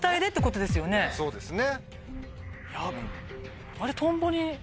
そうですね。